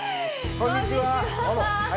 こんにちは。